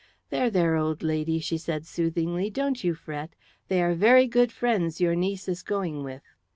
"There, there, old lady," she said soothingly; "don't you fret. They are very good friends your niece is going with."